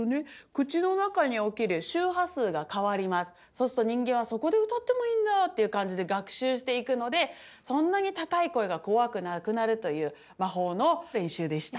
そうすると人間はそこで歌ってもいいんだっていう感じで学習していくのでそんなに高い声が怖くなくなるという魔法の練習でした。